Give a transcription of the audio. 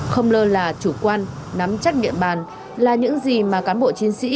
không lơ là chủ quan nắm chắt miệng bàn là những gì mà cán bộ chiến sĩ